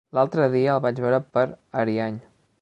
L'altre dia el vaig veure per Ariany.